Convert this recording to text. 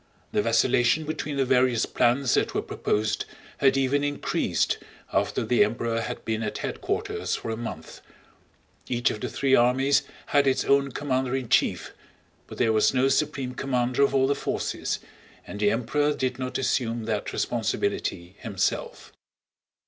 The vacillation between the various plans that were proposed had even increased after the Emperor had been at headquarters for a month. Each of the three armies had its own commander in chief, but there was no supreme commander of all the forces, and the Emperor did not assume that responsibility himself.